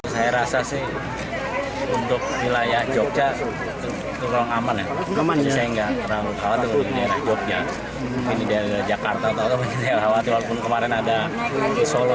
saya rasa sih untuk wilayah jogja turun aman ya aman bisa enggak